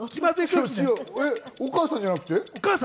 お母さんじゃなくて？